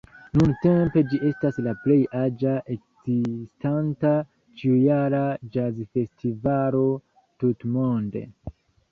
Nuntempe ĝi estas la plej aĝa ekzistanta, ĉiujara ĵazfestivalo tutmonde.